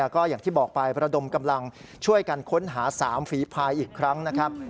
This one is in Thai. ก็อย่างที่บอกไปประดมกำลังช่วยกันค้นหา๓ฝีพายอีกครั้งนะครับ